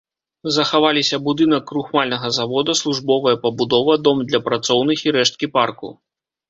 Захаваліся будынак крухмальнага завода, службовая пабудова, дом для працоўных і рэшткі парку.